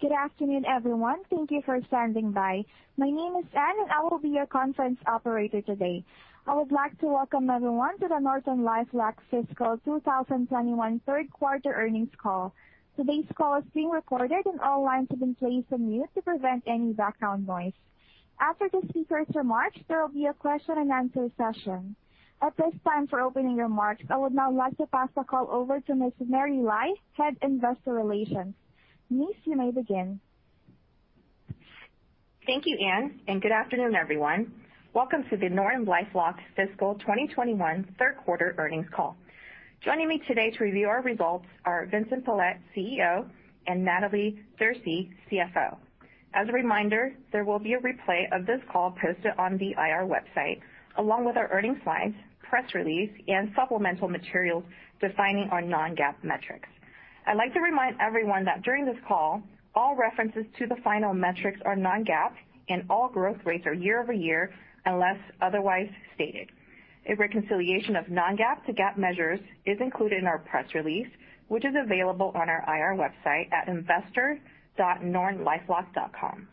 Good afternoon, everyone. Thank you for standing by. My name is Anne, and I will be your conference operator today. I would like to welcome everyone to the NortonLifeLock Fiscal 2021 Third Quarter Earnings Call. Today's call is being recorded and all lines have been placed on mute to prevent any background noise. After the speakers' remarks, there will be a question and answer session. At this time, for opening remarks, I would now like to pass the call over to Ms. Mary Lai, Head Investor Relations. Miss, you may begin. Thank you, Anne, good afternoon, everyone. Welcome to the NortonLifeLock Fiscal 2021 Third Quarter Earnings call. Joining me today to review our results are Vincent Pilette, CEO, and Natalie Derse, CFO. As a reminder, there will be a replay of this call posted on the IR website, along with our earning slides, press release, and supplemental materials defining our non-GAAP metrics. I'd like to remind everyone that during this call, all references to the financial metrics are non-GAAP, and all growth rates are year-over-year, unless otherwise stated. A reconciliation of non-GAAP to GAAP measures is included in our press release, which is available on our IR website at investor.nortonlifelock.com.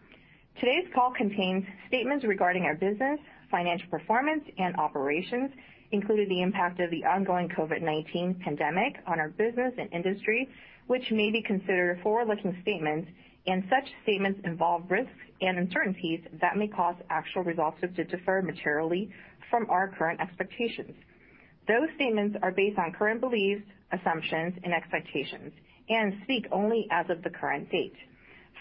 Today's call contains statements regarding our business, financial performance, and operations, including the impact of the ongoing COVID-19 pandemic on our business and industry, which may be considered forward-looking statements, and such statements involve risks and uncertainties that may cause actual results to differ materially from our current expectations. Those statements are based on current beliefs, assumptions, and expectations and speak only as of the current date.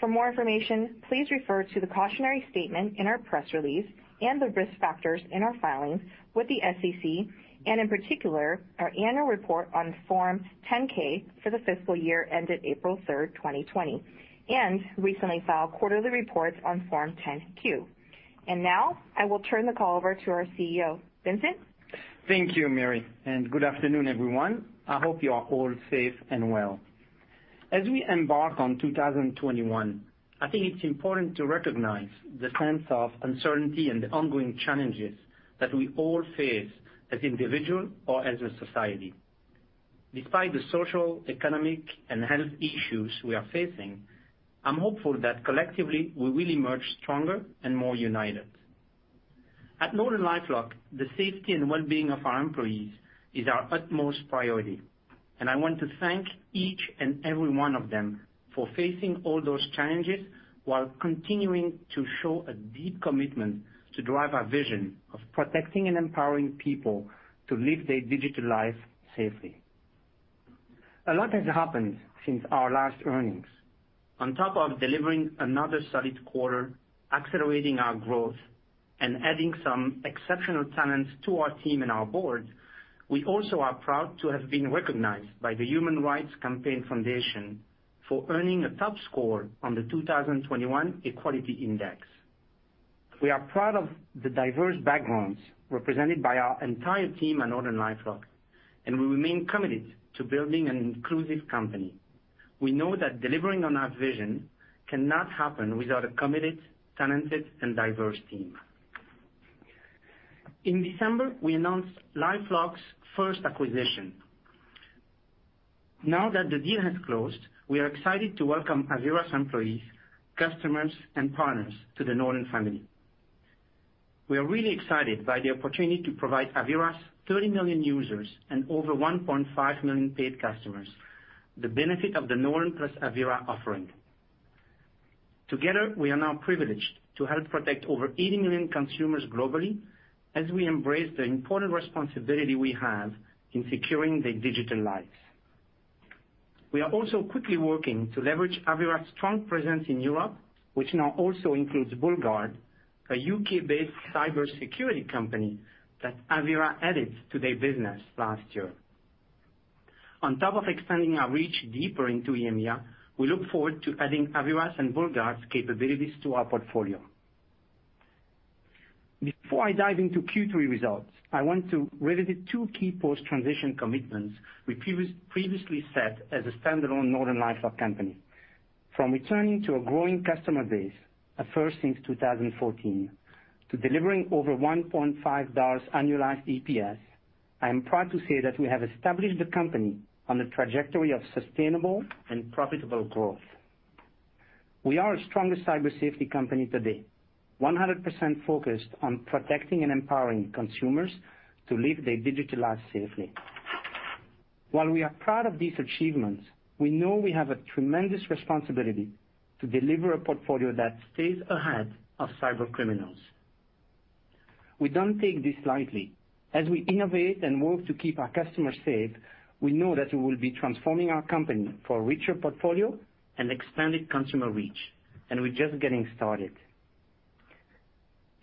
For more information, please refer to the cautionary statement in our press release and the risk factors in our filings with the SEC, and in particular, our annual report on Form 10-K for the fiscal year ended April 3rd, 2020, and recently filed quarterly reports on Form 10-Q. Now I will turn the call over to our CEO. Vincent? Thank you, Mary Lai, and good afternoon, everyone. I hope you are all safe and well. As we embark on 2021, I think it's important to recognize the sense of uncertainty and the ongoing challenges that we all face as individual or as a society. Despite the social, economic, and health issues we are facing, I'm hopeful that collectively, we will emerge stronger and more united. At NortonLifeLock, the safety and well-being of our employees is our utmost priority, and I want to thank each and every one of them for facing all those challenges while continuing to show a deep commitment to drive our vision of protecting and empowering people to live their digital life safely. A lot has happened since our last earnings. On top of delivering another solid quarter, accelerating our growth, and adding some exceptional talent to our team and our board, we also are proud to have been recognized by the Human Rights Campaign Foundation for earning a top score on the 2021 Equality Index. We are proud of the diverse backgrounds represented by our entire team at NortonLifeLock, and we remain committed to building an inclusive company. We know that delivering on our vision cannot happen without a committed, talented, and diverse team. In December, we announced LifeLock's first acquisition. Now that the deal has closed, we are excited to welcome Avira's employees, customers, and partners to the Norton family. We are really excited by the opportunity to provide Avira's 30 million users and over 1.5 million paid customers the benefit of the Norton plus Avira offering. Together, we are now privileged to help protect over 80 million consumers globally as we embrace the important responsibility we have in securing their digital lives. We are also quickly working to leverage Avira's strong presence in Europe, which now also includes BullGuard, a U.K.-based cybersecurity company that Avira added to their business last year. On top of expanding our reach deeper into EMEA, we look forward to adding Avira's and BullGuard's capabilities to our portfolio. Before I dive into Q3 results, I want to revisit two key post-transition commitments we previously set as a standalone NortonLifeLock company. From returning to a growing customer base, a first since 2014, to delivering over $1.5 annualized EPS, I am proud to say that we have established the company on the trajectory of sustainable and profitable growth. We are a stronger cyber safety company today, 100% focused on protecting and empowering consumers to live their digital lives safely. While we are proud of these achievements, we know we have a tremendous responsibility to deliver a portfolio that stays ahead of cybercriminals. We don't take this lightly. As we innovate and work to keep our customers safe, we know that we will be transforming our company for a richer portfolio and expanded consumer reach, and we're just getting started.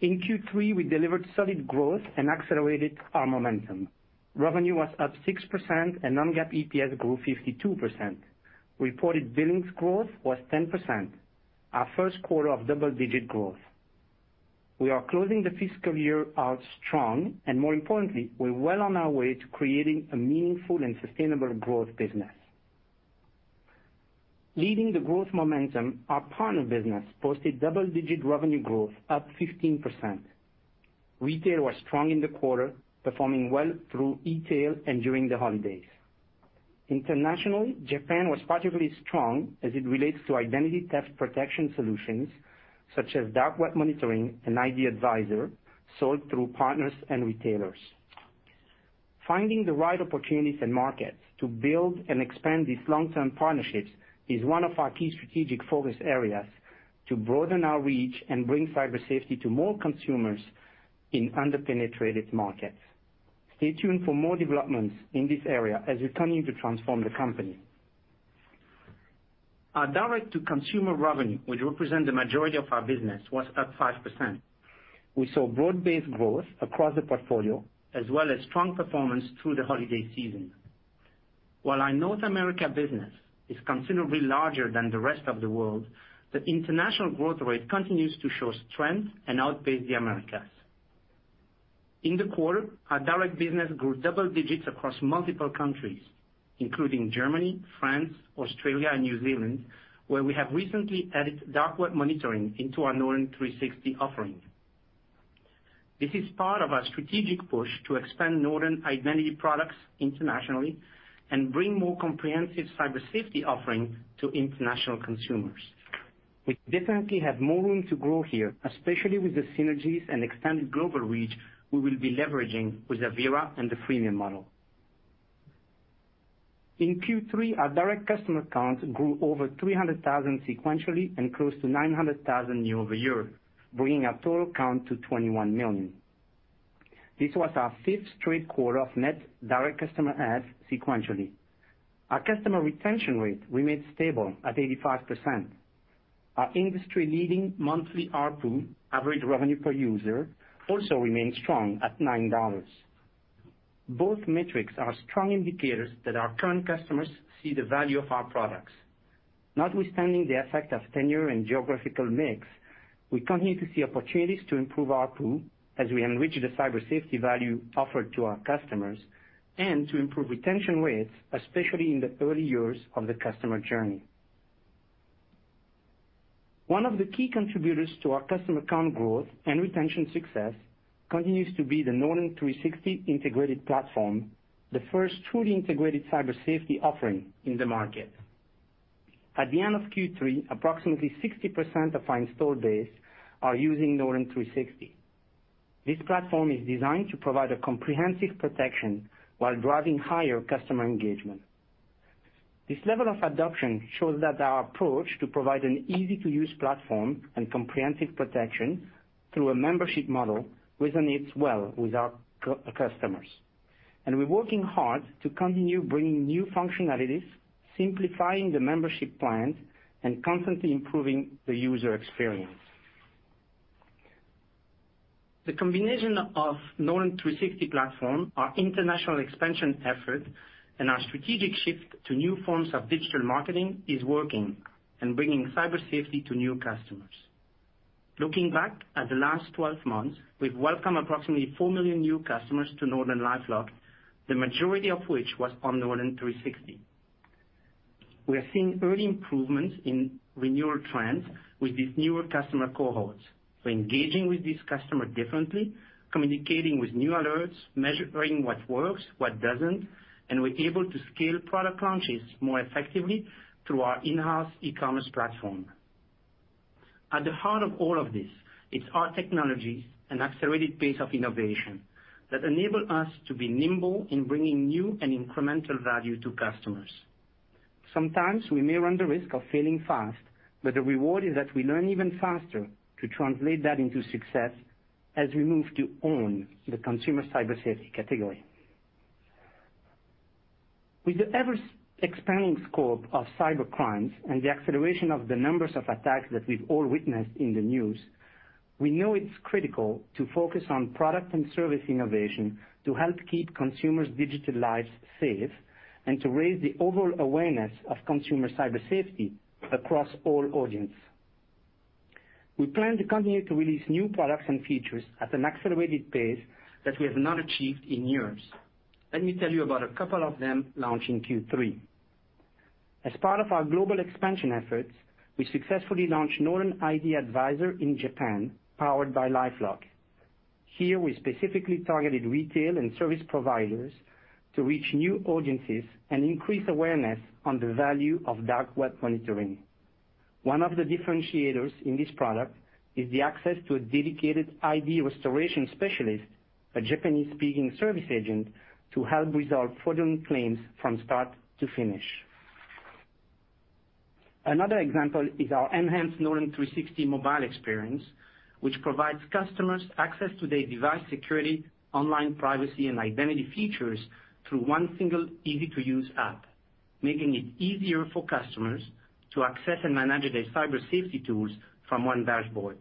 In Q3, we delivered solid growth and accelerated our momentum. Revenue was up 6% and non-GAAP EPS grew 52%. Reported billings growth was 10%, our first quarter of double-digit growth. We are closing the fiscal year out strong, and more importantly, we're well on our way to creating a meaningful and sustainable growth business. Leading the growth momentum, our partner business posted double-digit revenue growth, up 15%. Retail was strong in the quarter, performing well through e-tail and during the holidays. Internationally, Japan was particularly strong as it relates to identity theft protection solutions such as dark web monitoring and ID Advisor, sold through partners and retailers. Finding the right opportunities and markets to build and expand these long-term partnerships is one of our key strategic focus areas to broaden our reach and bring cyber safety to more consumers in under-penetrated markets. Stay tuned for more developments in this area as we continue to transform the company. Our direct-to-consumer revenue, which represents the majority of our business, was up 5%. We saw broad-based growth across the portfolio, as well as strong performance through the holiday season. While our North America business is considerably larger than the rest of the world, the international growth rate continues to show strength and outpace the Americas. In the quarter, our direct business grew double digits across multiple countries, including Germany, France, Australia, and New Zealand, where we have recently added dark web monitoring into our Norton 360 offering. This is part of our strategic push to expand Norton Identity products internationally and bring more comprehensive cyber safety offering to international consumers. We definitely have more room to grow here, especially with the synergies and expanded global reach we will be leveraging with Avira and the freemium model. In Q3, our direct customer count grew over 300,000 sequentially and close to 900,000 year-over-year, bringing our total count to 21 million. This was our fifth straight quarter of net direct customer adds sequentially. Our customer retention rate remained stable at 85%. Our industry-leading monthly ARPU, average revenue per user, also remains strong at $9. Both metrics are strong indicators that our current customers see the value of our products. Notwithstanding the effect of tenure and geographical mix, we continue to see opportunities to improve ARPU as we enrich the cyber safety value offered to our customers and to improve retention rates, especially in the early years of the customer journey. One of the key contributors to our customer count growth and retention success continues to be the Norton 360 integrated platform, the first truly integrated cyber safety offering in the market. At the end of Q3, approximately 60% of our installed base are using Norton 360. This platform is designed to provide a comprehensive protection while driving higher customer engagement. This level of adoption shows that our approach to provide an easy-to-use platform and comprehensive protection through a membership model resonates well with our customers. We're working hard to continue bringing new functionalities, simplifying the membership plans, and constantly improving the user experience. The combination of Norton 360 platform, our international expansion effort, and our strategic shift to new forms of digital marketing is working and bringing cyber safety to new customers. Looking back at the last 12 months, we've welcomed approximately 4 million new customers to NortonLifeLock, the majority of which was on Norton 360. We are seeing early improvements in renewal trends with these newer customer cohorts. We're engaging with these customers differently, communicating with new alerts, measuring what works, what doesn't, and we're able to scale product launches more effectively through our in-house e-commerce platform. At the heart of all of this, it's our technologies and accelerated pace of innovation that enable us to be nimble in bringing new and incremental value to customers. Sometimes we may run the risk of failing fast, the reward is that we learn even faster to translate that into success as we move to own the consumer cyber safety category. With the ever-expanding scope of cybercrimes and the acceleration of the numbers of attacks that we've all witnessed in the news, we know it's critical to focus on product and service innovation to help keep consumers' digital lives safe and to raise the overall awareness of consumer cyber safety across all audience. We plan to continue to release new products and features at an accelerated pace that we have not achieved in years. Let me tell you about a couple of them launched in Q3. As part of our global expansion efforts, we successfully launched Norton ID Advisor in Japan, powered by LifeLock. Here we specifically targeted retail and service providers to reach new audiences and increase awareness on the value of dark web monitoring. One of the differentiators in this product is the access to a dedicated ID restoration specialist, a Japanese-speaking service agent, to help resolve fraudulent claims from start to finish. Another example is our enhanced Norton 360 mobile experience, which provides customers access to their device security, online privacy, and identity features through one single easy-to-use app, making it easier for customers to access and manage their cyber safety tools from one dashboard.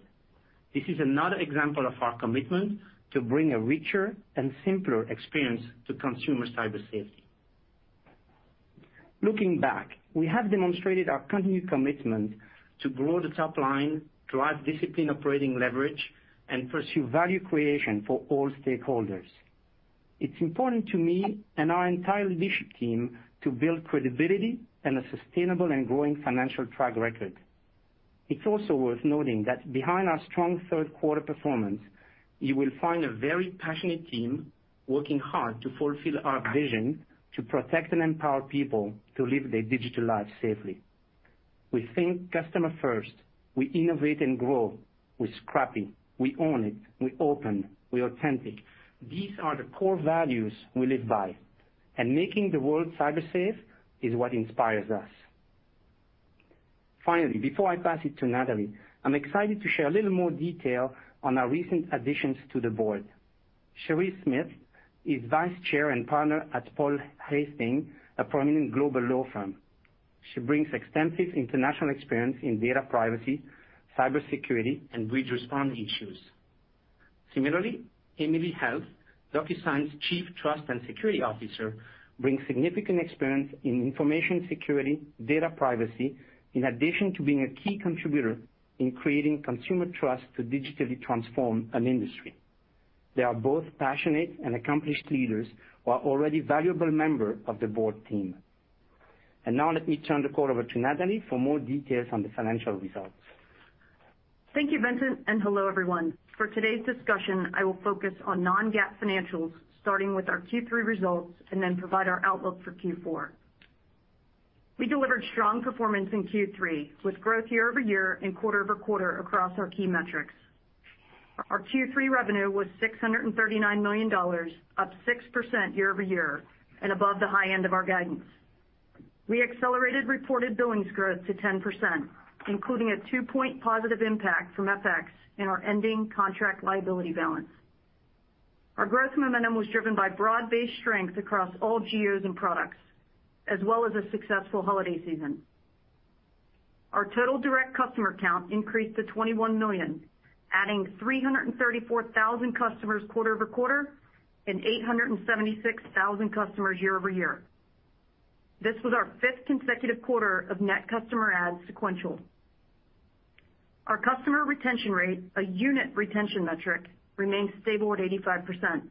This is another example of our commitment to bring a richer and simpler experience to consumer cyber safety. Looking back, we have demonstrated our continued commitment to grow the top line, drive disciplined operating leverage, and pursue value creation for all stakeholders. It's important to me and our entire leadership team to build credibility and a sustainable and growing financial track record. It's also worth noting that behind our strong third quarter performance, you will find a very passionate team working hard to fulfill our vision to protect and empower people to live their digital lives safely. We think customer first. We innovate and grow. We're scrappy. We own it. We open. We authentic. Making the world cyber safe is what inspires us. Finally, before I pass it to Natalie, I'm excited to share a little more detail on our recent additions to the board. Sherrese Smith is Vice Chair and Partner at Paul Hastings, a prominent global law firm. She brings extensive international experience in data privacy, cybersecurity, and breach response issues. Similarly, Emily Heath, DocuSign's Chief Trust and Security Officer, brings significant experience in information security, data privacy, in addition to being a key contributor in creating consumer trust to digitally transform an industry. They are both passionate and accomplished leaders who are already valuable member of the board team. Now let me turn the call over to Natalie for more details on the financial results. Thank you, Vincent, and hello, everyone. For today's discussion, I will focus on non-GAAP financials, starting with our Q3 results, and then provide our outlook for Q4. We delivered strong performance in Q3, with growth year-over-year and quarter-over-quarter across our key metrics. Our Q3 revenue was $639 million, up 6% year-over-year, and above the high end of our guidance. We accelerated reported billings growth to 10%, including a 2 point positive impact from FX in our ending contract liability balance. Our growth momentum was driven by broad-based strength across all geos and products, as well as a successful holiday season. Our total direct customer count increased to 21 million, adding 334,000 customers quarter-over-quarter and 876,000 customers year-over-year. This was our fifth consecutive quarter of net customer adds sequential. Our customer retention rate, a unit retention metric, remains stable at 85%.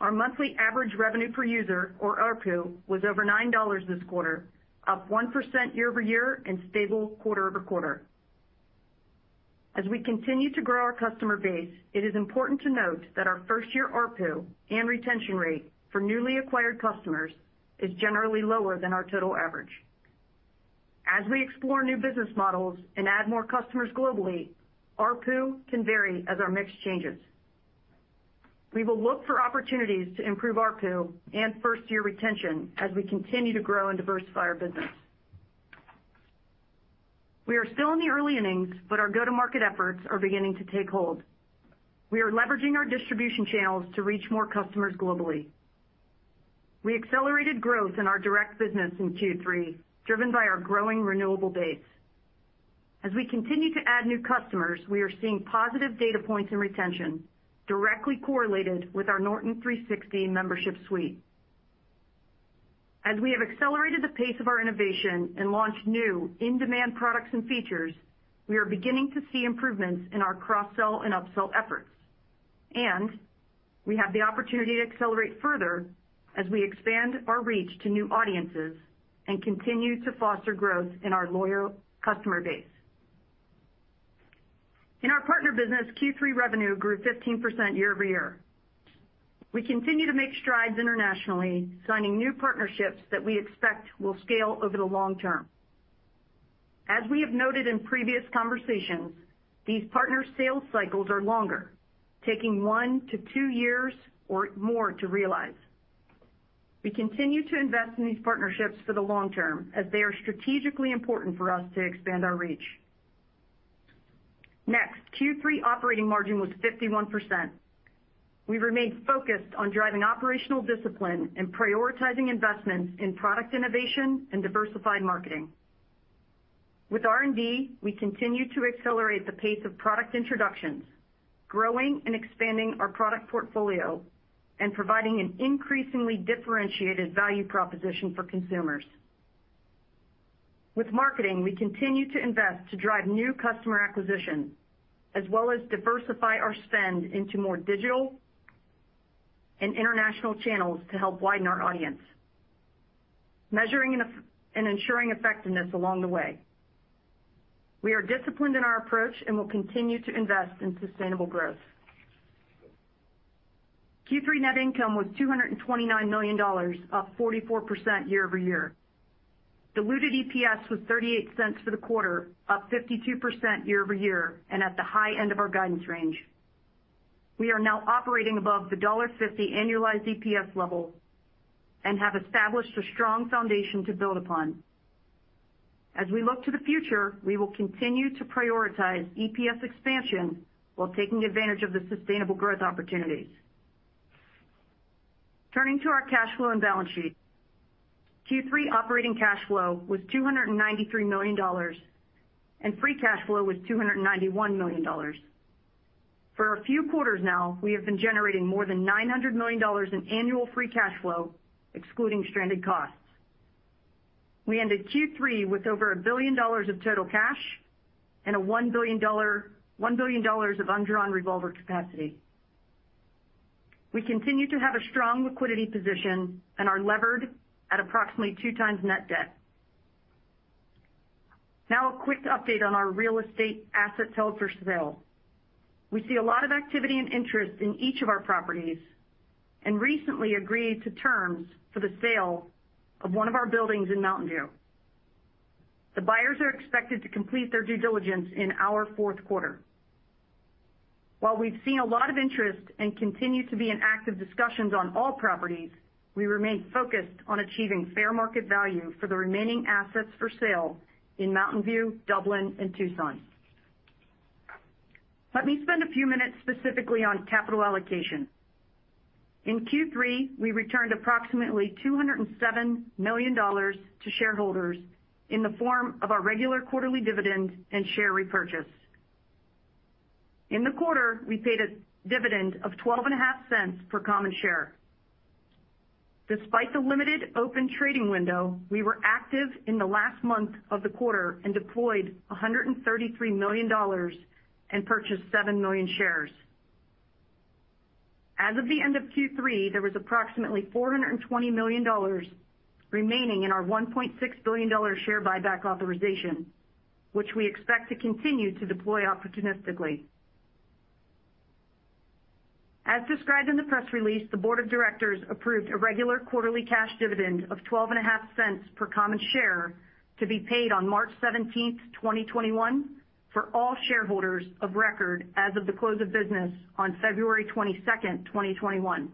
Our monthly average revenue per user, or ARPU, was over $9 this quarter, up 1% year-over-year and stable quarter-over-quarter. As we continue to grow our customer base, it is important to note that our first-year ARPU and retention rate for newly acquired customers is generally lower than our total average. As we explore new business models and add more customers globally, ARPU can vary as our mix changes. We will look for opportunities to improve ARPU and first-year retention as we continue to grow and diversify our business. We are still in the early innings, but our go-to-market efforts are beginning to take hold. We are leveraging our distribution channels to reach more customers globally. We accelerated growth in our direct business in Q3, driven by our growing renewable base. As we continue to add new customers, we are seeing positive data points in retention, directly correlated with our Norton 360 membership suite. As we have accelerated the pace of our innovation and launched new in-demand products and features, we are beginning to see improvements in our cross-sell and upsell efforts. We have the opportunity to accelerate further as we expand our reach to new audiences and continue to foster growth in our loyal customer base. In our partner business, Q3 revenue grew 15% year-over-year. We continue to make strides internationally, signing new partnerships that we expect will scale over the long term. As we have noted in previous conversations, these partner sales cycles are longer, taking one to two years or more to realize. We continue to invest in these partnerships for the long term, as they are strategically important for us to expand our reach. Q3 operating margin was 51%. We remain focused on driving operational discipline and prioritizing investments in product innovation and diversified marketing. With R&D, we continue to accelerate the pace of product introductions, growing and expanding our product portfolio, and providing an increasingly differentiated value proposition for consumers. With marketing, we continue to invest to drive new customer acquisition, as well as diversify our spend into more digital and international channels to help widen our audience, measuring and ensuring effectiveness along the way. We are disciplined in our approach and will continue to invest in sustainable growth. Q3 net income was $229 million, up 44% year-over-year. Diluted EPS was $0.38 for the quarter, up 52% year-over-year, and at the high end of our guidance range. We are now operating above the $1.50 annualized EPS level and have established a strong foundation to build upon. As we look to the future, we will continue to prioritize EPS expansion while taking advantage of the sustainable growth opportunities. Turning to our cash flow and balance sheet. Q3 operating cash flow was $293 million, and free cash flow was $291 million. For a few quarters now, we have been generating more than $900 million in annual free cash flow, excluding stranded costs. We ended Q3 with over $1 billion of total cash and a $1 billion of undrawn revolver capacity. We continue to have a strong liquidity position and are levered at approximately two times net debt. A quick update on our real estate asset held for sale. We see a lot of activity and interest in each of our properties, and recently agreed to terms for the sale of one of our buildings in Mountain View. The buyers are expected to complete their due diligence in our fourth quarter. While we've seen a lot of interest and continue to be in active discussions on all properties, we remain focused on achieving fair market value for the remaining assets for sale in Mountain View, Dublin and Tucson. Let me spend a few minutes specifically on capital allocation. In Q3, we returned approximately $207 million to shareholders in the form of our regular quarterly dividend and share repurchase. In the quarter, we paid a dividend of $0.125 per common share. Despite the limited open trading window, we were active in the last month of the quarter and deployed $133 million and purchased 7 million shares. As of the end of Q3, there was approximately $420 million remaining in our $1.6 billion share buyback authorization, which we expect to continue to deploy opportunistically. As described in the press release, the board of directors approved a regular quarterly cash dividend of $0.125 per common share to be paid on March 17th, 2021, for all shareholders of record as of the close of business on February 22nd, 2021.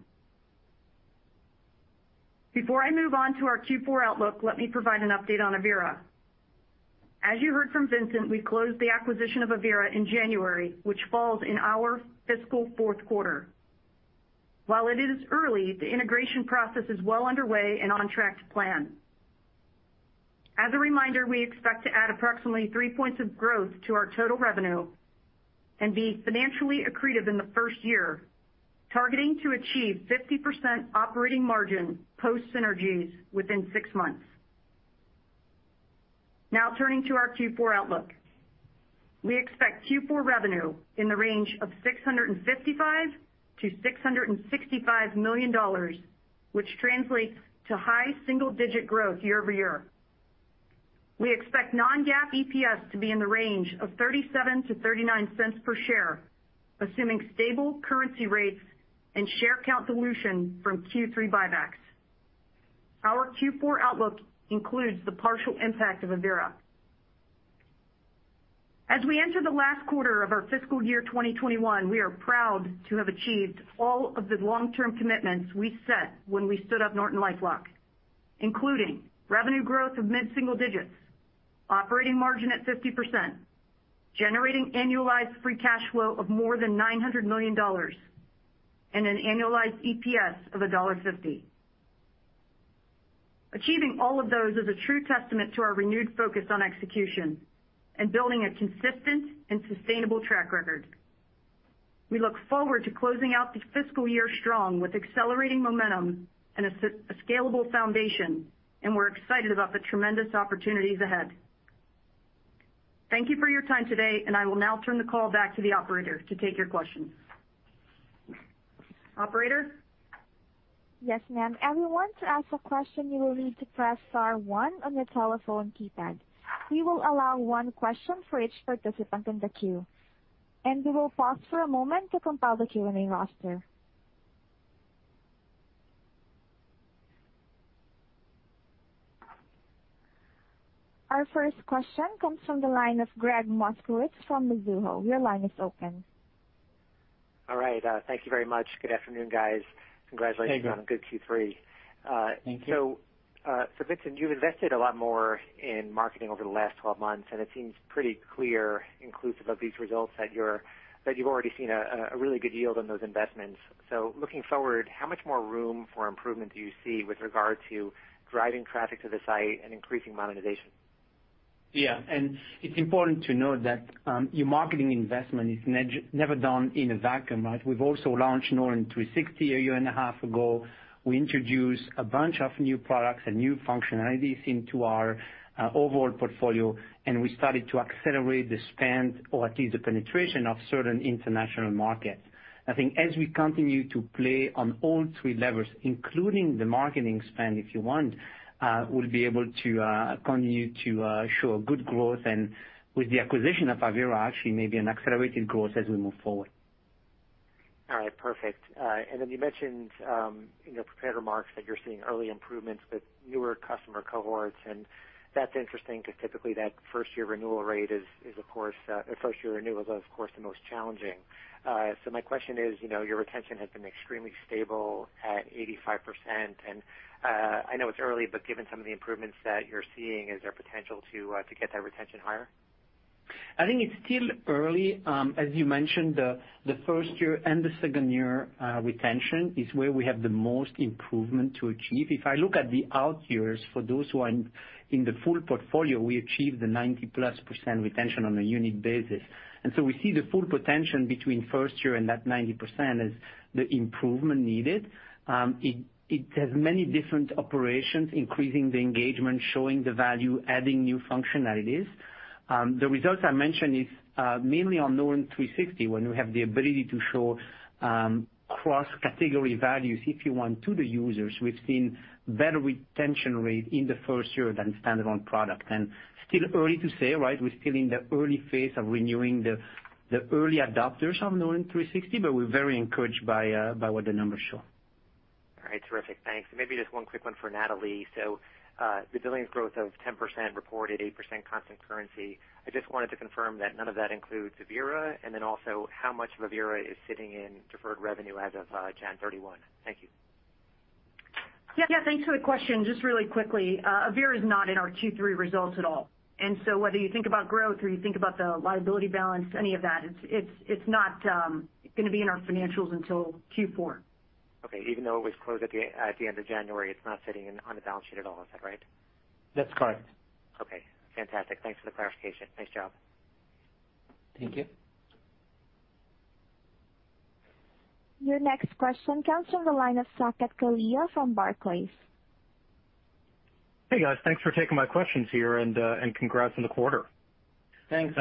Before I move on to our Q4 outlook, let me provide an update on Avira. As you heard from Vincent, we closed the acquisition of Avira in January, which falls in our fiscal fourth quarter. While it is early, the integration process is well underway and on track to plan. As a reminder, we expect to add approximately three points of growth to our total revenue and be financially accretive in the first year, targeting to achieve 50% operating margin post synergies within six months. Now turning to our Q4 outlook. We expect Q4 revenue in the range of $655 million-$665 million, which translates to high single-digit growth year-over-year. We expect non-GAAP EPS to be in the range of $0.37 to $0.39 per share, assuming stable currency rates and share count dilution from Q3 buybacks. Our Q4 outlook includes the partial impact of Avira. As we enter the last quarter of our fiscal year 2021, we are proud to have achieved all of the long-term commitments we set when we stood up NortonLifeLock, including revenue growth of mid-single digits, operating margin at 50%, generating annualized free cash flow of more than $900 million, and an annualized EPS of $1.50. Achieving all of those is a true testament to our renewed focus on execution and building a consistent and sustainable track record. We look forward to closing out the fiscal year strong with accelerating momentum and a scalable foundation, and we're excited about the tremendous opportunities ahead. Thank you for your time today, and I will now turn the call back to the operator to take your questions. Operator? Yes, ma'am. Everyone, to ask a question, you will need to press star one on your telephone keypad. We will allow one question for each participant in the queue, and we will pause for a moment to compile the Q&A roster. Our first question comes from the line of Gregg Moskowitz from Mizuho. Your line is open. All right. Thank you very much. Good afternoon, guys. Hey, Gregg. Congratulations on a good Q3. Thank you. Vincent, you've invested a lot more in marketing over the last 12 months, and it seems pretty clear, inclusive of these results, that you've already seen a really good yield on those investments. Looking forward, how much more room for improvement do you see with regard to driving traffic to the site and increasing monetization? Yeah. It's important to note that your marketing investment is never done in a vacuum, right? We've also launched Norton 360 a year and a half ago. We introduced a bunch of new products and new functionalities into our overall portfolio, and we started to accelerate the spend, or at least the penetration of certain international markets. I think as we continue to play on all three levers, including the marketing spend, if you want, we'll be able to continue to show a good growth and with the acquisition of Avira, actually maybe an accelerated growth as we move forward. All right, perfect. You mentioned in your prepared remarks that you're seeing early improvements with newer customer cohorts, and that's interesting because typically that first-year renewal is, of course, the most challenging. My question is, your retention has been extremely stable at 85%, and I know it's early, but given some of the improvements that you're seeing, is there potential to get that retention higher? I think it's still early. As you mentioned, the first year and the second-year retention is where we have the most improvement to achieve. If I look at the out years for those who are In the full portfolio, we achieved 90%+ retention on a unique basis. We see the full potential between first year and that 90% as the improvement needed. It has many different operations, increasing the engagement, showing the value, adding new functionalities. The results I mentioned is mainly on Norton 360, when we have the ability to show cross-category values, if you want, to the users. We've seen better retention rate in the first year than standalone product. Still early to say, right? We're still in the early phase of renewing the early adopters of Norton 360, but we're very encouraged by what the numbers show. All right. Terrific. Thanks. Maybe just one quick one for Natalie. The billings growth of 10% reported 8% constant currency. I just wanted to confirm that none of that includes Avira, and then also how much of Avira is sitting in deferred revenue as of January 31? Thank you. Yeah. Thanks for the question. Just really quickly, Avira is not in our Q3 results at all. Whether you think about growth or you think about the liability balance, any of that, it's not going to be in our financials until Q4. Okay. Even though it was closed at the end of January, it's not sitting on the balance sheet at all. Is that right? That's correct. Okay, fantastic. Thanks for the clarification. Nice job. Thank you. Your next question comes from the line of Saket Kalia from Barclays. Hey, guys, thanks for taking my questions here and congrats on the quarter. Thanks.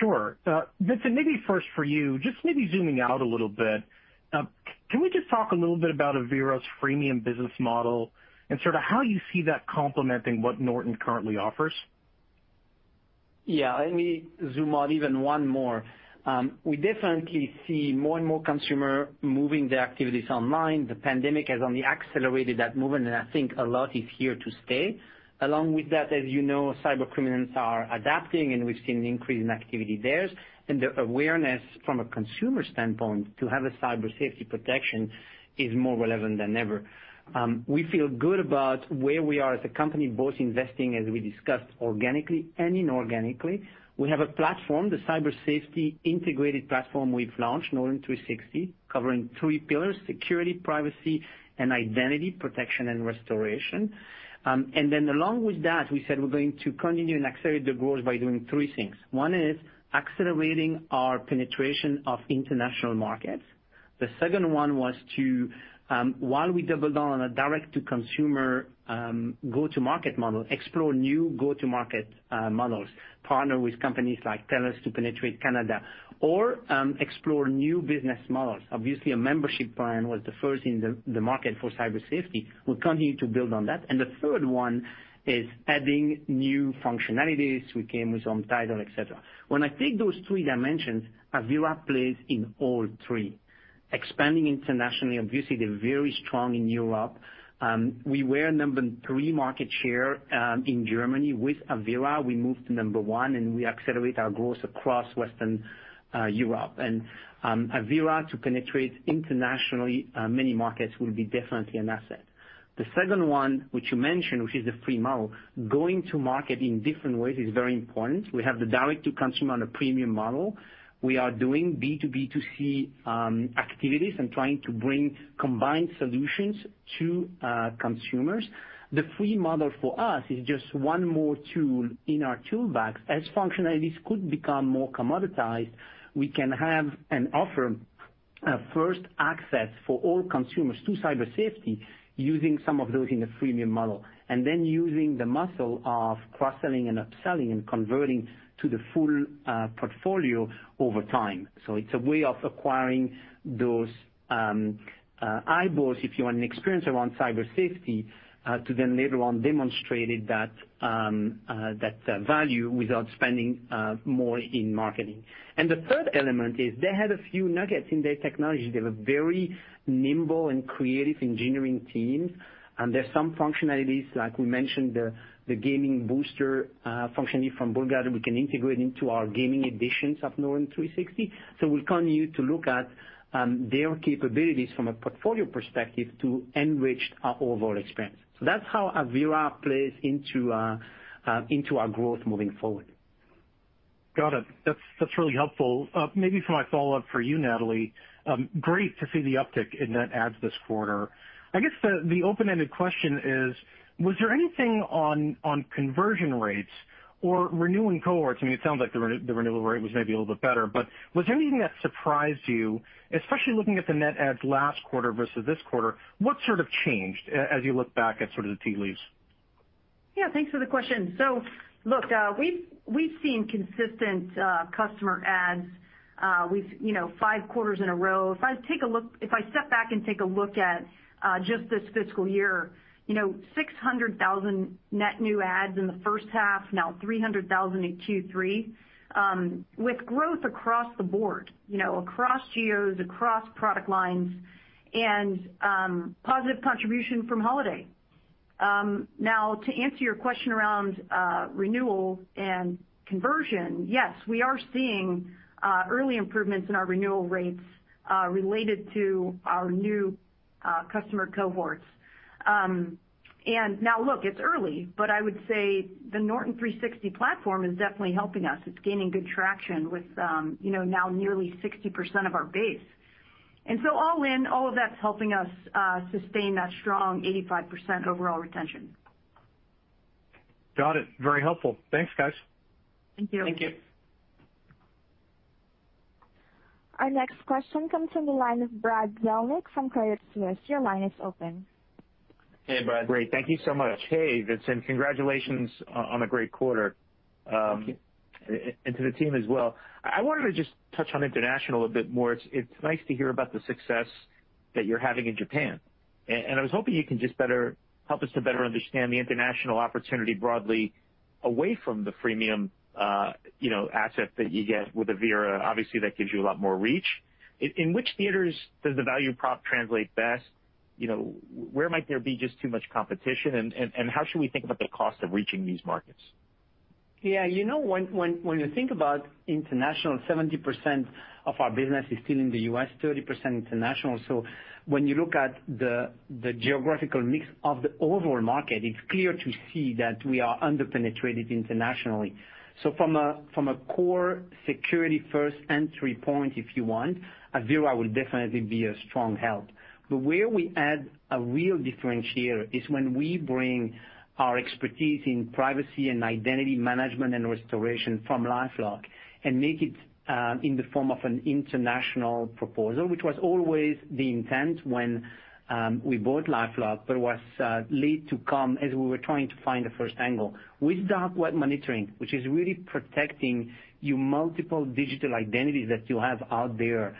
Sure. Vincent, maybe first for you, just maybe zooming out a little bit, can we just talk a little bit about Avira's freemium business model and sort of how you see that complementing what Norton currently offers? Yeah. Let me zoom out even one more. We definitely see more and consumer moving their activities online. The pandemic has only accelerated that movement, and I think a lot is here to stay. Along with that, as you know, cybercriminals are adapting, and we've seen an increase in activity there. The awareness from a consumer standpoint to have a cyber safety protection is more relevant than ever. We feel good about where we are as a company, both investing, as we discussed, organically and inorganically. We have a platform, the cyber safety integrated platform we've launched, Norton 360, covering three pillars, security, privacy, and identity protection and restoration. Then along with that, we said we're going to continue and accelerate the growth by doing three things. One is accelerating our penetration of international markets. The second one was to, while we doubled down on a direct-to-consumer go-to-market model, explore new go-to-market models, partner with companies like TELUS to penetrate Canada or explore new business models. Obviously, a membership plan was the first in the market for cyber safety. We'll continue to build on that. The third one is adding new functionalities. We came with some title, et cetera. When I take those three dimensions, Avira plays in all three. Expanding internationally, obviously, they're very strong in Europe. We were number three market share in Germany with Avira. We moved to number one, and we accelerate our growth across Western Europe. Avira to penetrate internationally many markets will be definitely an asset. The second one, which you mentioned, which is the free model, going to market in different ways is very important. We have the direct-to-consumer on a premium model. We are doing B2B2C activities and trying to bring combined solutions to consumers. The free model for us is just one more tool in our toolbox. As functionalities could become more commoditized, we can have and offer a first access for all consumers to cyber safety using some of those in the freemium model, and then using the muscle of cross-selling and upselling and converting to the full portfolio over time. It's a way of acquiring those eyeballs, if you want, and experience around cyber safety to then later on demonstrated that value without spending more in marketing. The third element is they had a few nuggets in their technology. They have a very nimble and creative engineering teams, and there's some functionalities, like we mentioned, the Game Booster functionality from BullGuard we can integrate into our gaming editions of Norton 360. We'll continue to look at their capabilities from a portfolio perspective to enrich our overall experience. That's how Avira plays into our growth moving forward. Got it. That's really helpful. Maybe for my follow-up for you, Natalie. Great to see the uptick in net adds this quarter. I guess the open-ended question is, was there anything on conversion rates or renewing cohorts? I mean, it sounds like the renewal rate was maybe a little bit better, but was there anything that surprised you, especially looking at the net adds last quarter versus this quarter? What sort of changed as you look back at sort of the tea leaves? Yeah, thanks for the question. Look, we've seen consistent customer adds, five quarters in a row. If I step back and take a look at just this fiscal year, 600,000 net new adds in the first half, now 300,000 in Q3, with growth across the board, across tiers, across product lines, and positive contribution from holiday. To answer your question around renewal and conversion, yes, we are seeing early improvements in our renewal rates related to our new customer cohorts. Now look, it's early, but I would say the Norton 360 platform is definitely helping us. It's gaining good traction with now nearly 60% of our base. All in, all of that's helping us sustain that strong 85% overall retention. Got it. Very helpful. Thanks, guys. Thank you. Thank you. Our next question comes from the line of Brad Zelnick from Credit Suisse. Your line is open. Hey, Brad. Great. Thank you so much. Hey, Vincent. Congratulations on a great quarter. Thank you. To the team as well. I wanted to just touch on international a bit more. It's nice to hear about the success that you're having in Japan. I was hoping you can just help us to better understand the international opportunity broadly away from the freemium asset that you get with Avira. Obviously, that gives you a lot more reach. In which theaters does the value prop translate best? Where might there be just too much competition, and how should we think about the cost of reaching these markets? Yeah. When you think about international, 70% of our business is still in the U.S., 30% international. When you look at the geographical mix of the overall market, it's clear to see that we are under-penetrated internationally. From a core security first entry point, if you want, Avira will definitely be a strong help. Where we add a real differentiator is when we bring our expertise in privacy and identity management and restoration from LifeLock and make it in the form of an international proposal, which was always the intent when we bought LifeLock, but was late to come as we were trying to find a first angle. With dark web monitoring, which is really protecting your multiple digital identities that you have out there,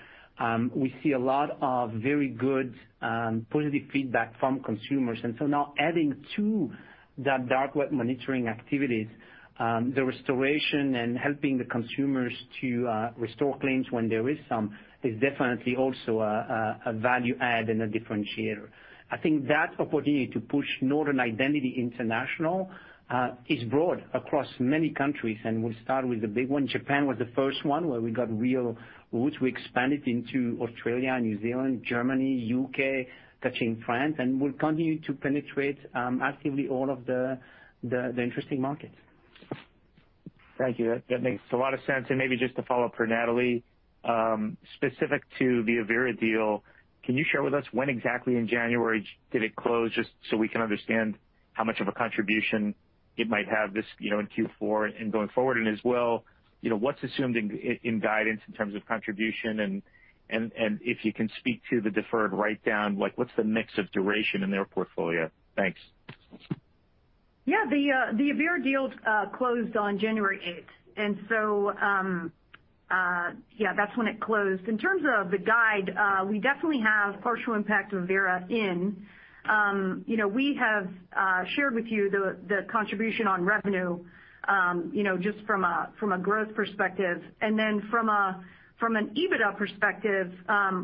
we see a lot of very good, positive feedback from consumers. Now adding to that dark web monitoring activities, the restoration and helping the consumers to restore claims when there is some, is definitely also a value add and a differentiator. I think that opportunity to push Norton Identity International, is broad across many countries, and we'll start with the big one. Japan was the first one where we got real roots. We expanded into Australia, New Zealand, Germany, U.K., touching France, and we'll continue to penetrate actively all of the interesting markets. Thank you. That makes a lot of sense. Maybe just to follow up for Natalie, specific to the Avira deal, can you share with us when exactly in January did it close, just so we can understand how much of a contribution it might have this in Q4 and going forward? As well, what's assumed in guidance in terms of contribution, and if you can speak to the deferred write-down, what's the mix of duration in their portfolio? Thanks. Yeah. The Avira deal closed on January 8th. That's when it closed. In terms of the guide, we definitely have partial impact of Avira in. We have shared with you the contribution on revenue, just from a growth perspective. From an EBITDA perspective,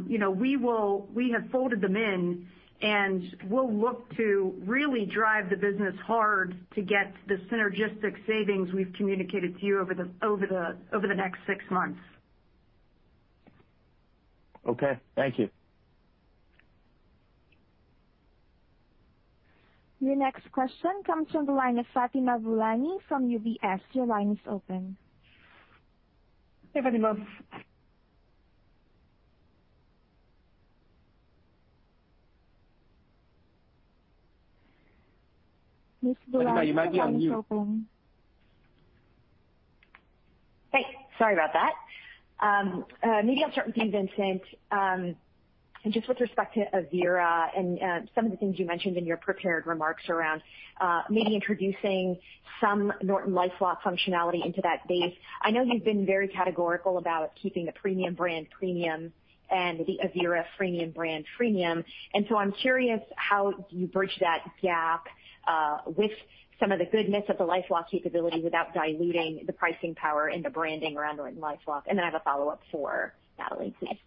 we have folded them in, and we'll look to really drive the business hard to get the synergistic savings we've communicated to you over the next six months. Okay. Thank you. Your next question comes from the line of Fatima Boolani from UBS. Your line is open. Hey, Fatima. Ms. Boolani, your line is open. Hey. Sorry about that. Just with respect to Avira and some of the things you mentioned in your prepared remarks around maybe introducing some NortonLifeLock functionality into that base. I know you've been very categorical about keeping the Premium brand premium and the Avira freemium brand freemium. I'm curious how you bridge that gap, with some of the goodness of the LifeLock capability without diluting the pricing power and the branding around NortonLifeLock. I have a follow-up for Natalie, please.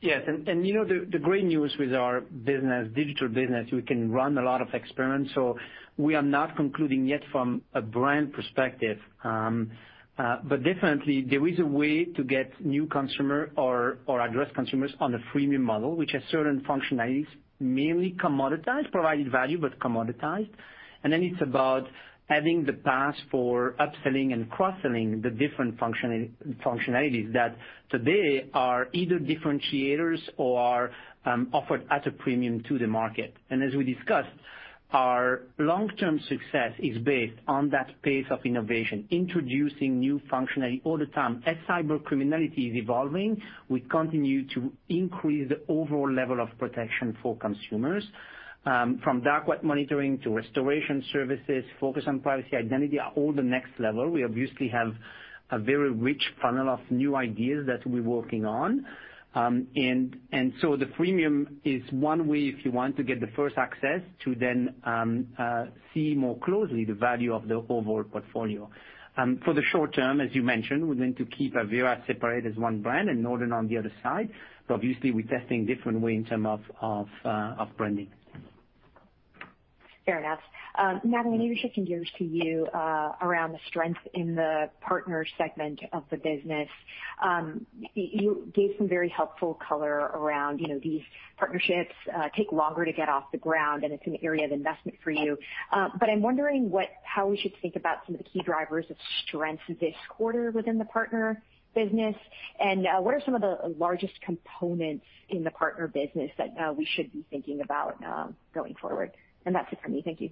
Yes. You know the great news with our business, digital business, we can run a lot of experiments, so we are not concluding yet from a brand perspective. Definitely, there is a way to get new consumer or address consumers on a freemium model, which has certain functionalities, mainly commoditized, provided value, but commoditized. Then it's about having the path for upselling and cross-selling the different functionalities that today are either differentiators or are offered at a premium to the market. As we discussed, our long-term success is based on that pace of innovation, introducing new functionality all the time. As cyber criminality is evolving, we continue to increase the overall level of protection for consumers. From dark web monitoring to restoration services, focus on privacy, identity, are all the next level. We obviously have a very rich funnel of new ideas that we're working on. The freemium is one way, if you want to get the first access to then see more closely the value of the overall portfolio. For the short term, as you mentioned, we're going to keep Avira separate as one brand and Norton on the other side. Obviously, we're testing different way in terms of branding. Fair enough. Natalie, maybe shifting gears to you around the strength in the partner segment of the business. You gave some very helpful color around these partnerships take longer to get off the ground, and it's an area of investment for you. I'm wondering how we should think about some of the key drivers of strength this quarter within the partner business, and what are some of the largest components in the partner business that we should be thinking about going forward. That's it for me. Thank you.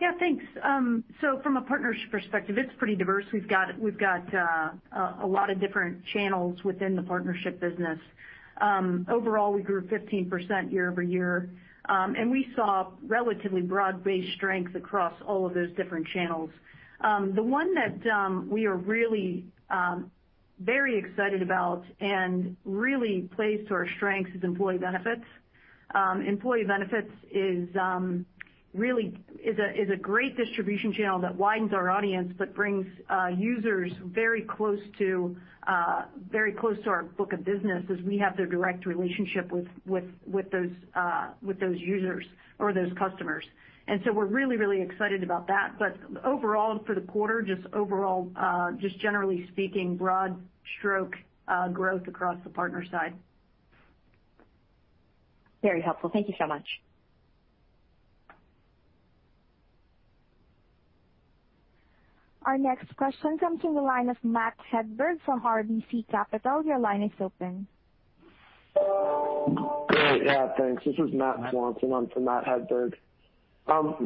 Yeah, thanks. From a partnership perspective, it's pretty diverse. We've got a lot of different channels within the partnership business. Overall, we grew 15% year-over-year. We saw relatively broad-based strength across all of those different channels. The one that we are really very excited about and really plays to our strengths is employee benefits. Employee benefits is a great distribution channel that widens our audience but brings users very close to our book of business as we have the direct relationship with those users or those customers. We're really excited about that. Overall for the quarter, just generally speaking, broad stroke growth across the partner side. Very helpful. Thank you so much. Our next question comes from the line of Matt Hedberg from RBC Capital. Your line is open. Great. Yeah, thanks. This is Matt Swanson in for Matt Hedberg.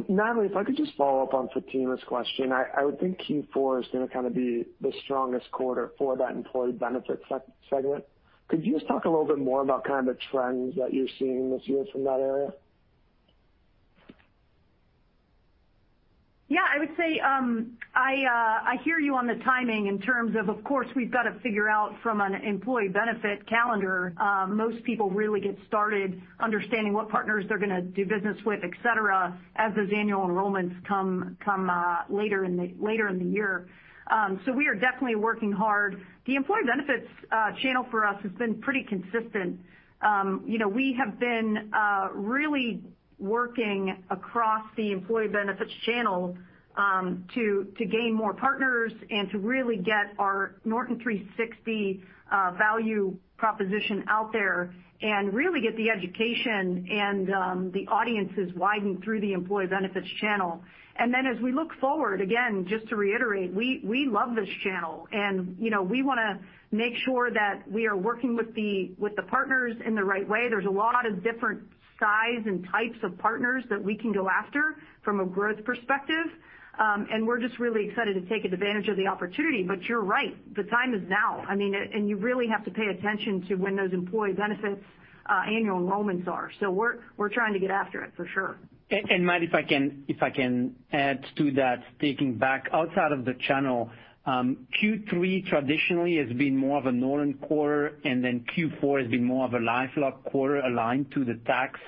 Natalie, if I could just follow up on Fatima's question. I would think Q4 is going to be the strongest quarter for that employee benefits segment. Could you just talk a little bit more about the trends that you're seeing this year from that area? I would say, I hear you on the timing in terms of course, we've got to figure out from an employee benefit calendar, most people really get started understanding what partners they're going to do business with, et cetera, as those annual enrollments come later in the year. We are definitely working hard. The employee benefits channel for us has been pretty consistent. We have been really working across the employee benefits channel to gain more partners and to really get our Norton 360 value proposition out there and really get the education and the audiences widened through the employee benefits channel. As we look forward, again, just to reiterate, we love this channel, and we want to make sure that we are working with the partners in the right way. There's a lot of different size and types of partners that we can go after from a growth perspective. We're just really excited to take advantage of the opportunity. You're right, the time is now. You really have to pay attention to when those employee benefits annual enrollments are. We're trying to get after it, for sure. Matt, if I can add to that, taking back outside of the channel. Q3 traditionally has been more of a Norton quarter. Q4 has been more of a LifeLock quarter aligned to the tax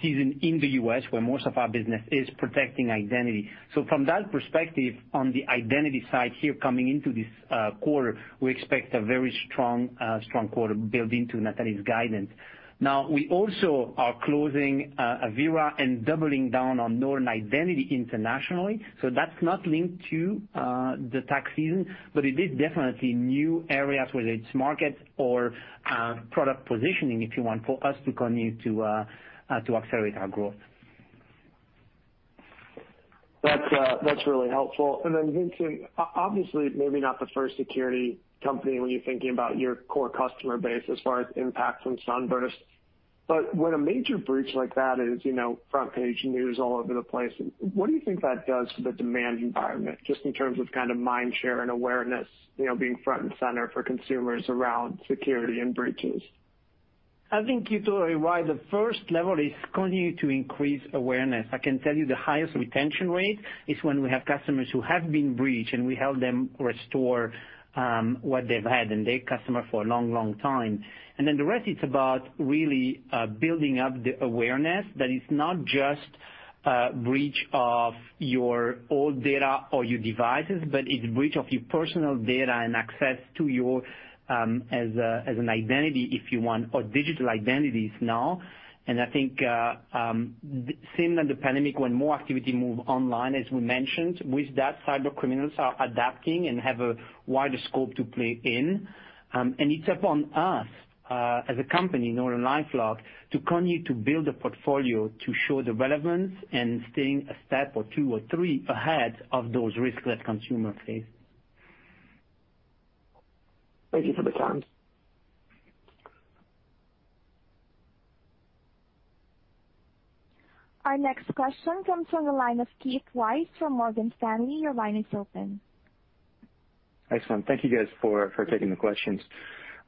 season in the U.S., where most of our business is protecting identity. From that perspective, on the identity side here coming into this quarter, we expect a very strong quarter building to Natalie's guidance. We also are closing Avira and doubling down on Norton Identity internationally. That's not linked to the tax season, it is definitely new areas, whether it's market or product positioning, if you want, for us to continue to accelerate our growth. That's really helpful. Vincent, obviously maybe not the first security company when you're thinking about your core customer base as far as impact from SUNBURST. When a major breach like that is front-page news all over the place, what do you think that does for the demand environment, just in terms of mind share and awareness, being front and center for consumers around security and breaches? I think you told it why the first level is continue to increase awareness. I can tell you the highest retention rate is when we have customers who have been breached, and we help them restore what they've had, and they're customer for a long, long time. The rest, it's about really building up the awareness that it's not just a breach of your old data or your devices, but it's breach of your personal data and access to you as an identity, if you want, or digital identities now. I think same in the pandemic, when more activity moved online, as we mentioned. With that, cybercriminals are adapting and have a wider scope to play in. It's upon us, as a company, NortonLifeLock, to continue to build a portfolio to show the relevance and staying a step or two or three ahead of those risks that consumers face. Thank you for the time. Our next question comes from the line of Keith Weiss from Morgan Stanley. Your line is open. Excellent. Thank you guys for taking the questions.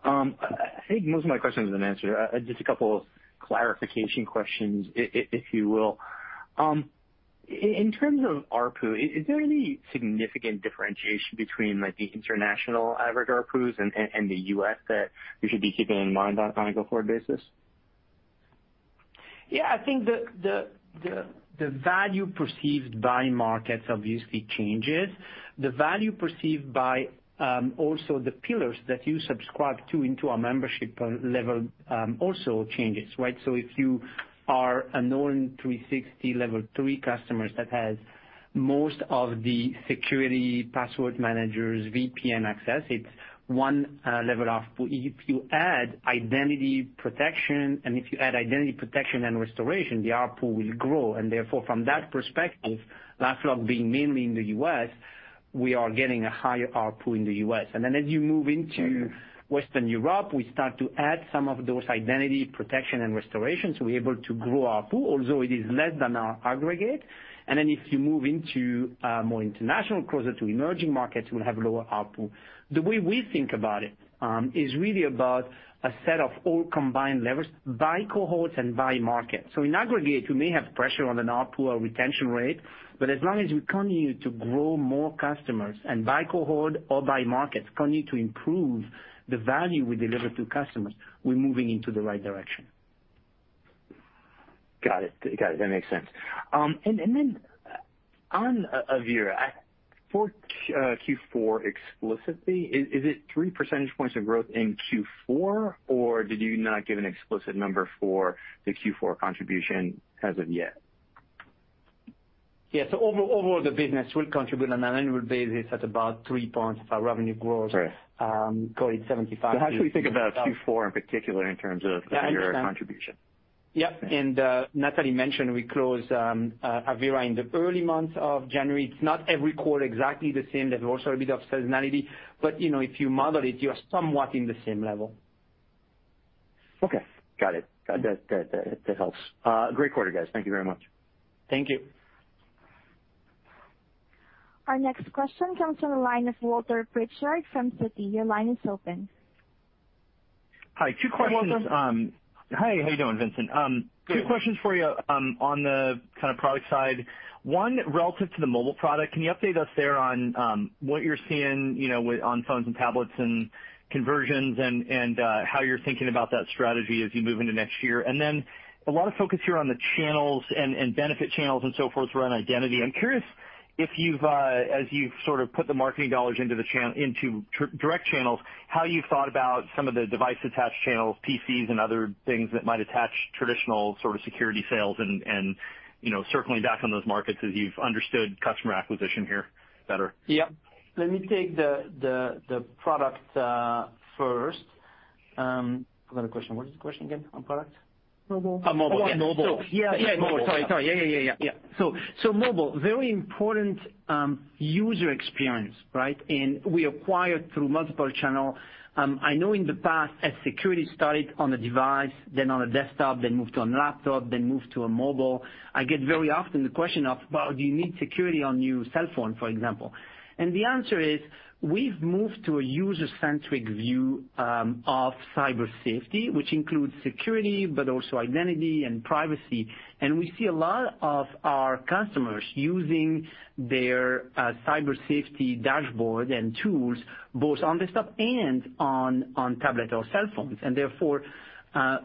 I think most of my questions have been answered. A couple of clarification questions, if you will. In terms of ARPU, is there any significant differentiation between the international average ARPUs and the U.S. that we should be keeping in mind on a go-forward basis? Yeah, I think the value perceived by markets obviously changes. The value perceived by also the pillars that you subscribe to into a membership level also changes, right? If you are a Norton 360 level three customers that has most of the security password managers, VPN access, it's one level off. If you add identity protection and if you add identity protection and restoration, the ARPU will grow. Therefore, from that perspective, LifeLock being mainly in the U.S., we are getting a higher ARPU in the U.S. Then as you move into Western Europe, we start to add some of those identity protection and restoration, so we're able to grow ARPU, although it is less than our aggregate. Then if you move into more international, closer to emerging markets, we'll have lower ARPU. The way we think about it is really about a set of all combined levers by cohorts and by market. In aggregate, we may have pressure on an ARPU or retention rate, but as long as we continue to grow more customers and by cohort or by markets continue to improve the value we deliver to customers, we're moving into the right direction. Got it. That makes sense. On Avira, for Q4 explicitly, is it three percentage points of growth in Q4, or did you not give an explicit number for the Q4 contribution as of yet? Yeah. Overall, the business will contribute on an annual basis at about three points of our revenue growth. Right call it 75 How should we think about Q4 in particular in terms of your contribution? Yeah. Natalie mentioned we closed Avira in the early months of January. It's not every quarter exactly the same. There's also a bit of seasonality, but if you model it, you are somewhat in the same level. Okay. Got it. That helps. Great quarter, guys. Thank you very much. Thank you. Our next question comes from the line of Walter Pritchard from Citi. Line is open. Hi, two questions. Hi, Walter. Hi. How you doing, Vincent? Good. Two questions for you on the kind of product side. One, relative to the mobile product, can you update us there on what you're seeing on phones and tablets and conversions and how you're thinking about that strategy as you move into next year? A lot of focus here on the channels and benefit channels and so forth around identity. I'm curious if as you've sort of put the marketing dollars into direct channels, how you've thought about some of the device-attached channels, PCs, and other things that might attach traditional sort of security sales and circling back on those markets as you've understood customer acquisition here better. Yep. Let me take the product first. I've got a question. What is the question again on product? Mobile. Mobile. Oh, yeah. Mobile. Sorry. Yeah. Mobile, very important user experience, right? We acquired through multiple channel. I know in the past as security started on a device, then on a desktop, then moved to a laptop, then moved to a mobile. I get very often the question of, "Well, do you need security on your cell phone," for example. The answer is, we've moved to a user-centric view of cyber safety, which includes security, but also identity and privacy. We see a lot of our customers using their cyber safety dashboard and tools both on desktop and on tablet or cell phones. Therefore,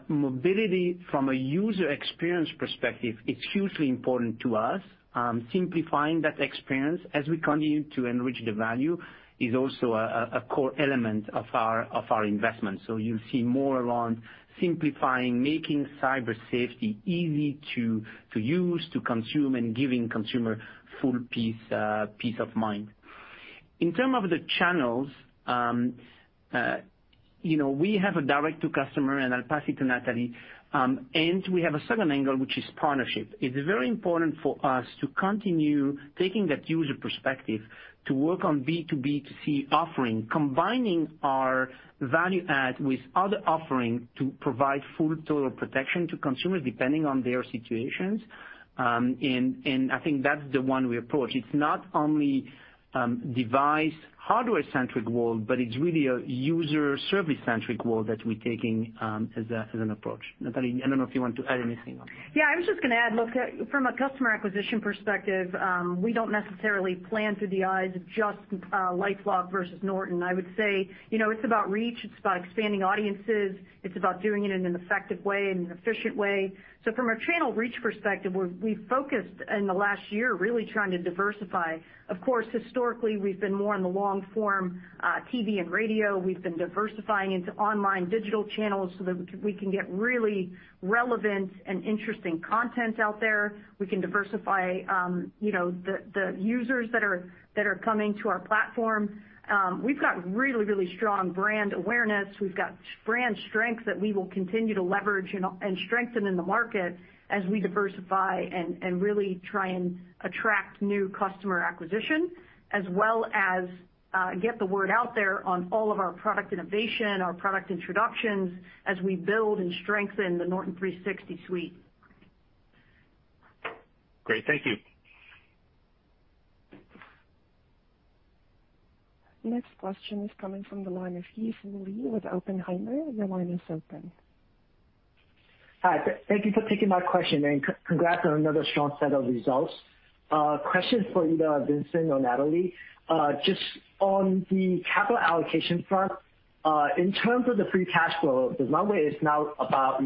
mobility from a user experience perspective, it's hugely important to us. Simplifying that experience as we continue to enrich the value is also a core element of our investment. You'll see more along simplifying, making cyber safety easy to use, to consume, and giving consumer full peace of mind. In terms of the channels, we have a direct to customer, and I'll pass it to Natalie, and we have a second angle, which is partnership. It's very important for us to continue taking that user perspective to work on B2B2C offering, combining our value add with other offering to provide full total protection to consumers depending on their situations. I think that's the one we approach. It's not only device hardware-centric world, but it's really a user service-centric world that we're taking as an approach. Natalie, I don't know if you want to add anything on that. Yeah, I was just going to add, look, from a customer acquisition perspective, we don't necessarily plan through the eyes of just LifeLock versus Norton. I would say it's about reach, it's about expanding audiences, it's about doing it in an effective way and an efficient way. From a channel reach perspective, we've focused in the last year really trying to diversify. Of course, historically, we've been more in the long form, TV and radio. We've been diversifying into online digital channels so that we can get really relevant and interesting content out there. We can diversify the users that are coming to our platform. We've got really strong brand awareness. We've got brand strength that we will continue to leverage and strengthen in the market as we diversify and really try and attract new customer acquisition as well as get the word out there on all of our product innovation, our product introductions as we build and strengthen the Norton 360 Suite. Great. Thank you. Next question is coming from the line of Yi Fu Lee with Oppenheimer. Your line is open. Hi. Thank you for taking my question, and congrats on another strong set of results. Question for either Vincent or Natalie. Just on the capital allocation front, in terms of the free cash flow, because one way is now about $250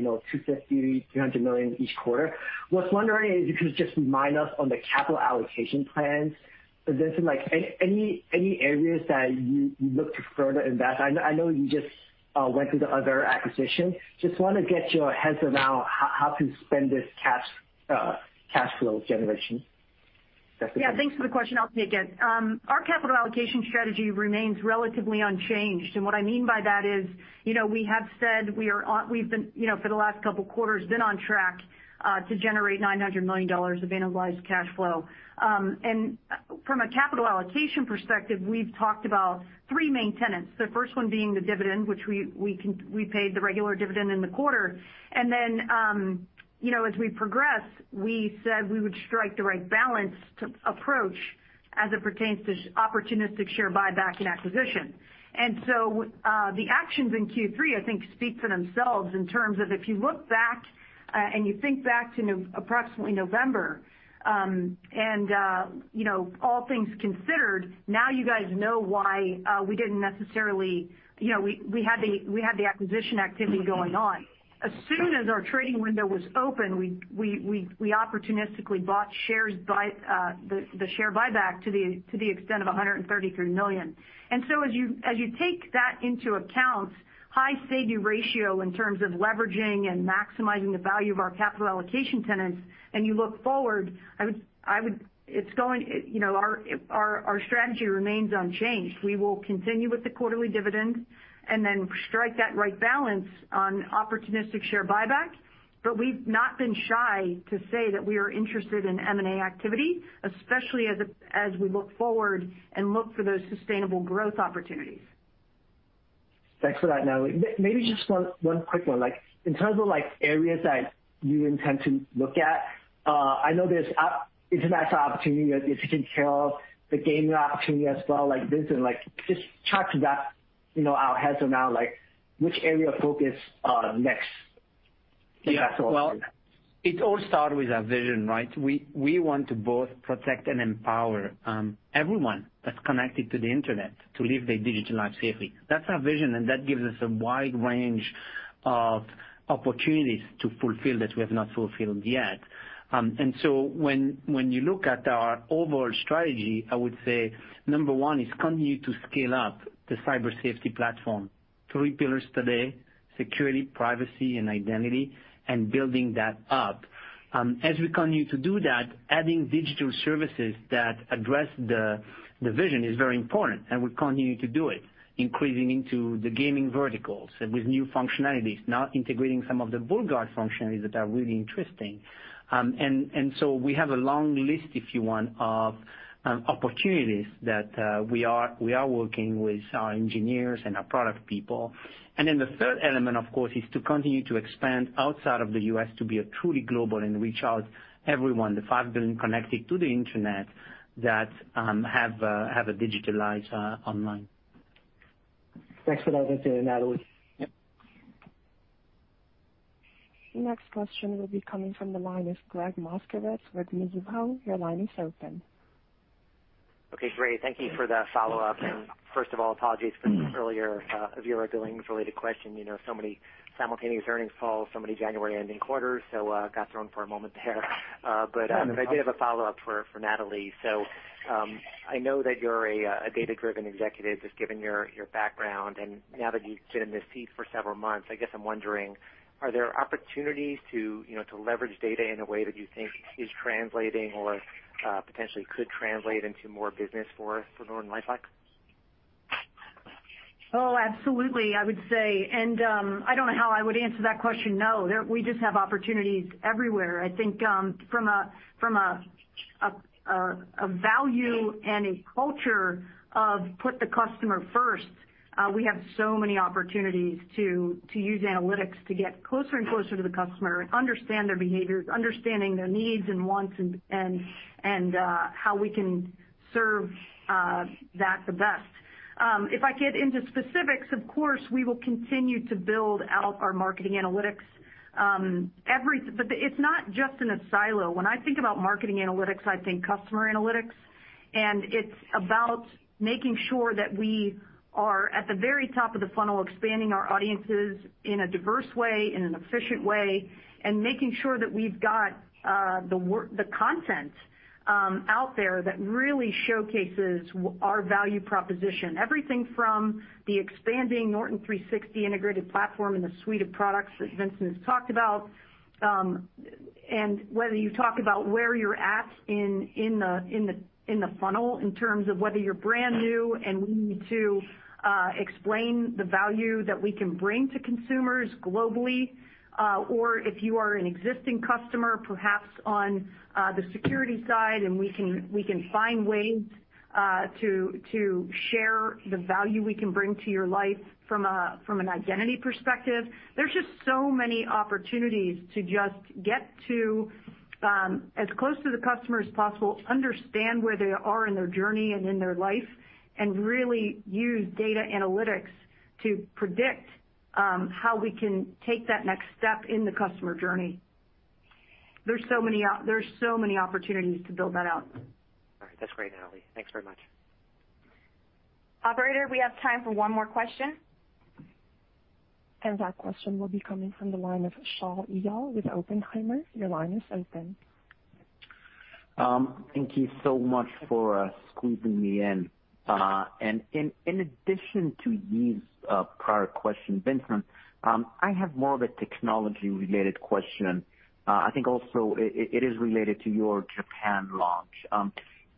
million, $300 million each quarter. Was wondering if you could just remind us on the capital allocation plans. Vincent, any areas that you look to further invest? I know you just went through the other acquisition. Just want to get your heads around how to spend this cash flow generation. Yeah, thanks for the question, I'll take it. Our capital allocation strategy remains relatively unchanged. What I mean by that is, we have said we've, for the last couple of quarters, been on track to generate $900 million of annualized cash flow. From a capital allocation perspective, we've talked about three main tenets. The first one being the dividend, which we paid the regular dividend in the quarter. As we progress, we said we would strike the right balance to approach as it pertains to opportunistic share buyback and acquisition. The actions in Q3, I think, speak for themselves in terms of if you look back, and you think back to approximately November, and all things considered, now you guys know why we had the acquisition activity going on. As soon as our trading window was open, we opportunistically bought the share buyback to the extent of $133 million. As you take that into account, high say-do ratio in terms of leveraging and maximizing the value of our capital allocation tenants, and you look forward, our strategy remains unchanged. We will continue with the quarterly dividends and then strike that right balance on opportunistic share buyback. We've not been shy to say that we are interested in M&A activity, especially as we look forward and look for those sustainable growth opportunities. Thanks for that, Natalie. Maybe just one quick one. In terms of areas that you intend to look at, I know there's a international opportunity with taking care of the gaming opportunity as well, Vincent like, Just talked about our heads are now like which area of focus next? If that's all? Well, it all start with our vision, right? We want to both protect and empower everyone that's connected to the Internet to live their digital life safely. That's our vision, and that gives us a wide range of opportunities to fulfill that we have not fulfilled yet. When you look at our overall strategy, I would say number one is continue to scale up the cyber safety platform. Three pillars today, security, privacy, and identity, and building that up. As we continue to do that, adding digital services that address the vision is very important, and we continue to do it, increasing into the gaming verticals with new functionalities, now integrating some of the BullGuard functionalities that are really interesting. We have a long list, if you want, of opportunities that we are working with our engineers and our product people. The third element, of course, is to continue to expand outside of the U.S. to be truly global and reach out everyone, the 5 billion connected to the Internet that have a digital life online. Thanks for that, Vincent and Natalie. Next question will be coming from the line of Gregg Moskowitz with Mizuho. Your line is open. Okay, great. Thank you for the follow-up. First of all, apologies for the earlier Avira billings-related question. Many simultaneous earnings calls, many January ending quarters. Got thrown for a moment there. I did have a follow-up for Natalie. I know that you're a data-driven executive, just given your background, and now that you've been in this seat for several months, I guess I'm wondering, are there opportunities to leverage data in a way that you think is translating or potentially could translate into more business for NortonLifeLock? Oh, absolutely. I would say, and I don't know how I would answer that question, no. We just have opportunities everywhere. I think from a value and a culture of put the customer first, we have so many opportunities to use analytics to get closer and closer to the customer and understand their behaviors, understanding their needs and wants, and how we can serve that the best. If I get into specifics, of course, we will continue to build out our marketing analytics. It's not just in a silo. When I think about marketing analytics, I think customer analytics, and it's about making sure that we are at the very top of the funnel, expanding our audiences in a diverse way, in an efficient way, and making sure that we've got the content out there that really showcases our value proposition. Everything from the expanding Norton 360 integrated platform and the suite of products that Vincent has talked about. Whether you talk about where you're at in the funnel in terms of whether you're brand new and we need to explain the value that we can bring to consumers globally, or if you are an existing customer, perhaps on the security side, and we can find ways to share the value we can bring to your life from an identity perspective. There's just so many opportunities to just get to as close to the customer as possible, understand where they are in their journey and in their life, and really use data analytics to predict how we can take that next step in the customer journey. There's so many opportunities to build that out. All right. That's great, Natalie. Thanks very much. Operator, we have time for one more question. That question will be coming from the line of Shaul Eyal with Oppenheimer. Your line is open. Thank you so much for squeezing me in. In addition to Yi Fu's prior question, Vincent, I have more of a technology-related question. I think also it is related to your Japan launch.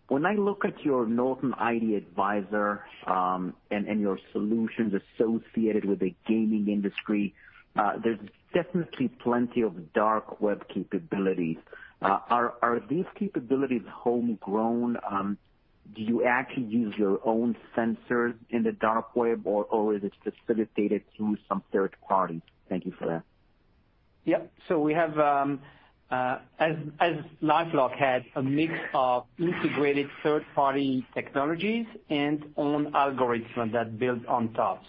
When I look at your Norton ID Advisor, and your solutions associated with the gaming industry, there's definitely plenty of dark web capabilities. Are these capabilities homegrown? Do you actually use your own sensors in the dark web, or is it facilitated through some third party? Thank you for that. Yep. We have, as LifeLock had, a mix of integrated third-party technologies and own algorithms that build on top.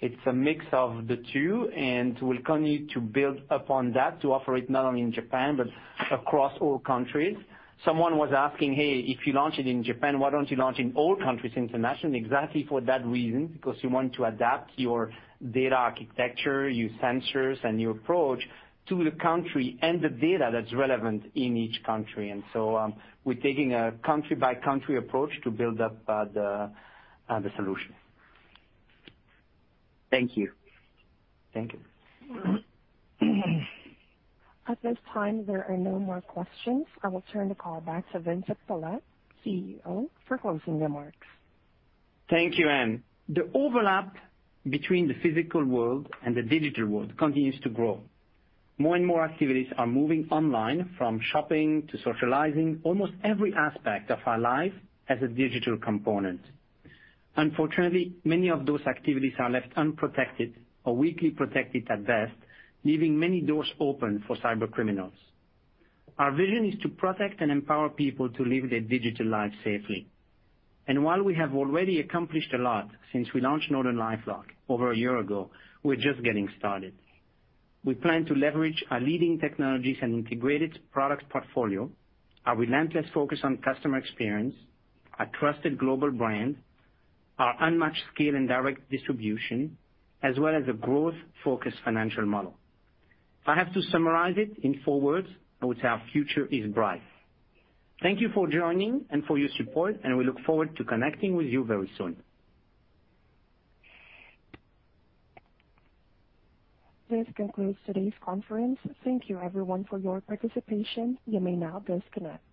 It's a mix of the two, and we'll continue to build upon that to offer it not only in Japan but across all countries. Someone was asking, "Hey, if you launch it in Japan, why don't you launch in all countries internationally?" Exactly for that reason, because you want to adapt your data architecture, your sensors, and your approach to the country and the data that's relevant in each country. We're taking a country-by-country approach to build up the solution. Thank you. Thank you. At this time, there are no more questions. I will turn the call back to Vincent Pilette, CEO, for closing remarks. Thank you, Anne. The overlap between the physical world and the digital world continues to grow. More and more activities are moving online, from shopping to socializing. Almost every aspect of our life has a digital component. Unfortunately, many of those activities are left unprotected or weakly protected at best, leaving many doors open for cybercriminals. Our vision is to protect and empower people to live their digital lives safely. While we have already accomplished a lot since we launched NortonLifeLock over a year ago, we're just getting started. We plan to leverage our leading technologies and integrated product portfolio, our relentless focus on customer experience, our trusted global brand, our unmatched scale and direct distribution, as well as a growth-focused financial model. If I have to summarize it in four words, I would say our future is bright. Thank you for joining and for your support, and we look forward to connecting with you very soon. This concludes today's conference. Thank you everyone for your participation. You may now disconnect.